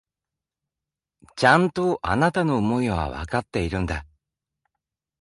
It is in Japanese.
ちゃんと、あなたの思いはわかっているんだ。